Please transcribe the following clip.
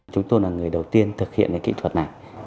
chúng tôi là người đầu tiên thực hiện kỹ thuật này